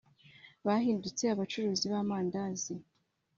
bahindutse abacuruzi b’amandazi